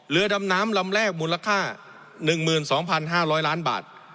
เรือดำน้ำลำแรกมูลค่า๑๒๕๐๐ล้านบาท